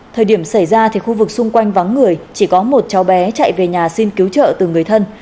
thời điểm xảy ra thì khu vực xung quanh vắng người chỉ có một cháu bé chạy về nhà xin cứu trợ từ người thân